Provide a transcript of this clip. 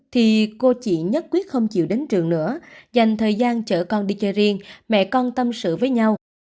thì cô chị nhất quyết không chịu đến trường nữa dành thời gian chở con đi chơi riêng mẹ con tâm sự với nhau